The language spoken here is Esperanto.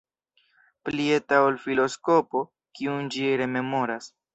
Pli eta ol filoskopo, kiun ĝi rememoras.